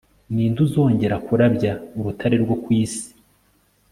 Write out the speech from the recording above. Ninde uzongera kurabya urutare rwo ku isi